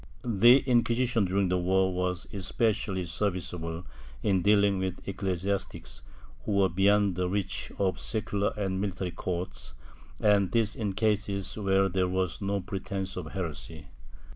^ The Inquisition, during the war, was especially sei'viceable in deahng with ecclesiastics, who were beyond the reach of secular and military courts, and this in cases where there wtiS no pretence of heresy.